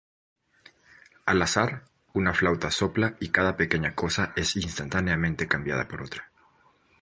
Al azar, una flauta sopla y cada pequeña cosa es instantáneamente cambiada por otra.